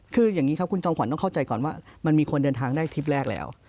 คืออย่างนี้ครับคุณจอมขวัญต้องเข้าใจก่อนว่ามันมีคนเดินทางได้ทริปแรกแล้ว